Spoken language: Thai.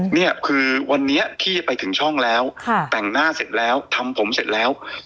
เนี่ยคือวันนี้พี่ไปถึงช่องแล้วแต่งหน้าเสร็จแล้วทำผมเสร็จแล้ว